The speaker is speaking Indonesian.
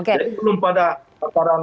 jadi belum pada